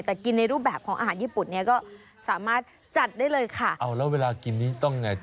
แต่กินในรูปแบบของอาหารญี่ปุ่นเนี้ยก็สามารถจัดได้เลยค่ะเอาแล้วเวลากินนี้ต้องไง